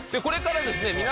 これからですね